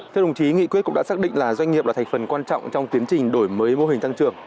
thưa đồng chí nghị quyết cũng đã xác định là doanh nghiệp là thành phần quan trọng trong tiến trình đổi mới mô hình tăng trưởng